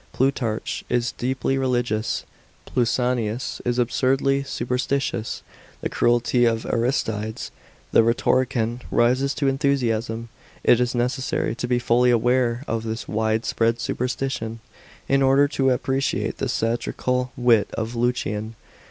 Plutarch is deeply religious; Pausanias is absurdly superstitious ; the credulity of Aristides, the rhetorician, rises to enthusiasm. It is necessary to be fully aware of this wide spread superstition, in order to appreciate the satirical wit of Lucian.